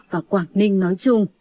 và quảng ninh nói chung